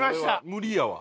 無理やわ。